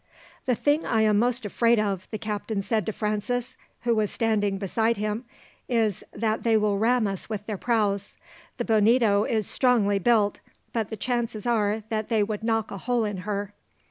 "The thing I am most afraid of," the captain said to Francis, who was standing beside him, "is, that they will ram us with their prows. The Bonito is strongly built, but the chances are that they would knock a hole in her."